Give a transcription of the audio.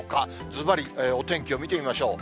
ずばりお天気を見てみましょう。